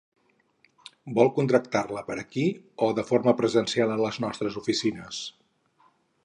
Vol contractar-la per aquí, o de forma presencial a les nostres oficines?